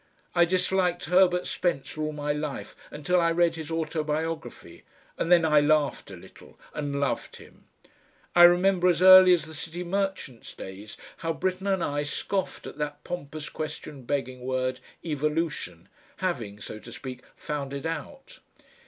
I disliked Herbert Spencer all my life until I read his autobiography, and then I laughed a little and loved him. I remember as early as the City Merchants' days how Britten and I scoffed at that pompous question begging word "Evolution," having, so to speak, found it out.